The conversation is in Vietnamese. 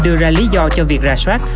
đưa ra lý do cho việc rà soát